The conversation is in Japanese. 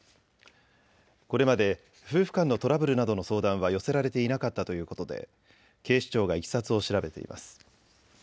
これまで夫婦間のトラブルなどの相談は寄せられていなかったということで警視庁がいきさつを調べています。